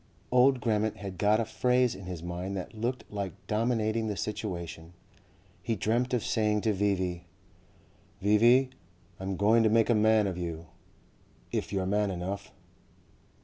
Old Grammont had got a phrase in his mind that looked like dominating the situation. He dreamt of saying to V.V.: "V.V., I'm going to make a man of you if you're man enough."